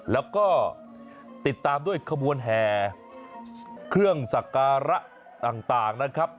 แล้วก็ติดตามด้วยขบวนแห่เครื่องสักการะต่างนะครับ